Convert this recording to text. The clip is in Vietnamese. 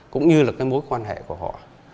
cũng như là cái mối quan hệ của họ